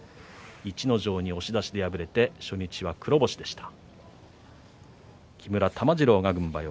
逸ノ城に押し出しで敗れ初日は黒星でした。